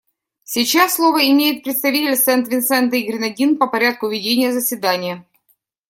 Сейчас слово имеет представитель Сент-Винсента и Гренадин по порядку ведения заседания.